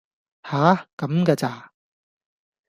吓！咁嫁咋!